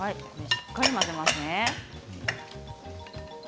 しっかり混ぜますね。